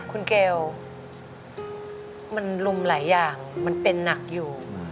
คุณเกลมันลุมหลายอย่างมันเป็นหนักอยู่